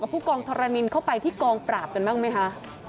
ผู้กองทรนินเข้าไปที่กองปราบกันบ้างไหมคะ